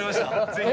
ぜひ。